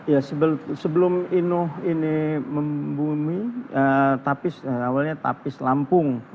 ya sebelum inu ini membumi awalnya tapis lampung